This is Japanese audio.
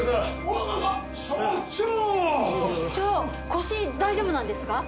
腰大丈夫なんですか？